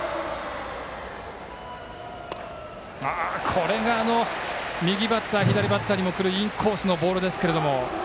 これが右バッター左バッターにもくるインコースのボールですけれども。